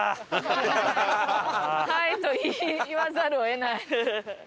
「はい」と言わざるを得ない。